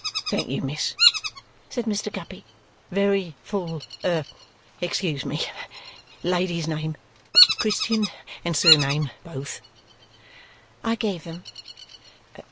"Thank you, miss," said Mr. Guppy. "Very full er excuse me lady's name, Christian and surname both?" I gave them.